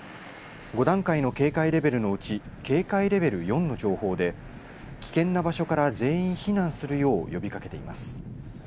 ５段階の警戒レベルのうち警戒レベル４の情報で危険な場所から全員避難するよう呼びかけています。